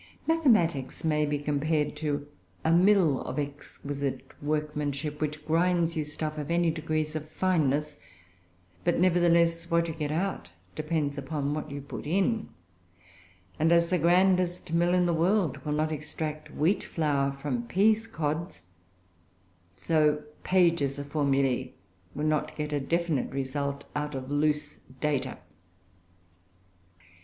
Mathematics may be compared to a mill of exquisite workmanship, which grinds you stuff of any degree of fineness; but, nevertheless, what you get out depends upon what you put in; and as the grandest mill in the world will not extract wheat flour from peascods, so pages of formulae will not get a definite result out of loose data.